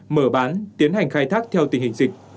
mở bán tiến hành khai thác theo tình hình dịch